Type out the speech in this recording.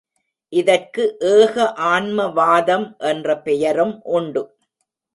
இதற்கு ஏக ஆன்ம வாதம் என்ற பெயரும் உண்டு.